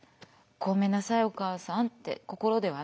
「ごめんなさいお母さん」って心ではね。